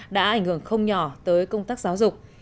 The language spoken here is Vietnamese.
đã ảnh hưởng không nhỏ tới công tác giáo dục